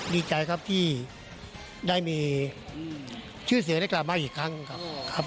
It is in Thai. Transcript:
ดีใจครับที่ได้มีชื่อเสียงได้กลับมาอีกครั้งครับ